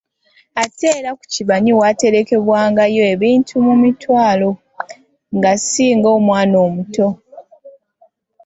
Ate era ku kibanyi waaterekebwangayo ebintu mu mitwalo nga singa omwana omuto